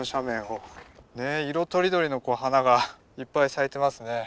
ねえ色とりどりの花がいっぱい咲いてますね。